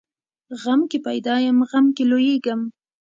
غم کې پیدا یم، غم کې لویېږم.